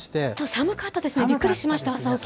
寒かったですね、びっくりしました、朝起きて。